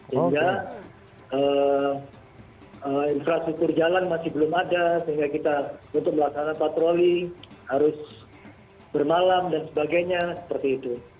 sehingga infrastruktur jalan masih belum ada sehingga kita untuk melaksanakan patroli harus bermalam dan sebagainya seperti itu